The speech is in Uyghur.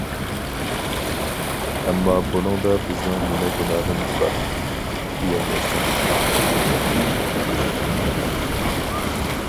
ئەمما بۇنىڭدا بىزنىڭ نېمە گۇناھىمىز بار؟ دېيەلمەيسەن.